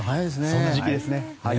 そんな時期ですね。